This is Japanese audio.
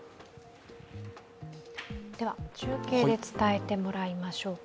中継で伝えてもらいましょうか。